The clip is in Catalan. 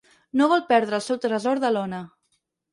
No vol perdre el seu tresor de lona.